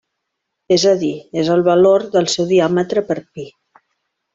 És a dir, és el valor del seu diàmetre per pi.